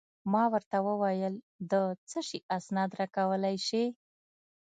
ما ورته وویل: د څه شي اسناد راکولای شې؟